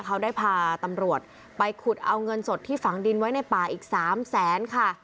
เขาได้พาตำรวจไปขุดเอาเงินสดที่ฝังดินไว้ในป่าอีก๓แสนค่ะ